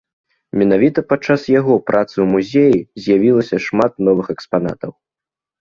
Менавіта падчас яго працы ў музеі з'явілася шмат новых экспанатаў.